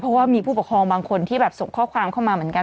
เพราะว่ามีผู้ปกครองบางคนที่แบบส่งข้อความเข้ามาเหมือนกัน